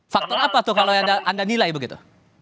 faktor apa tuh kalau yang anda nilai begitu